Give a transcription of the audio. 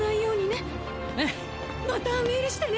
またメールしてね！